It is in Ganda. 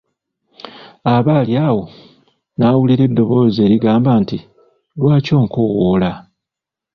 Aba ali awo, n'awulira eddoboozi erigamba nti, lwaki onkowoola?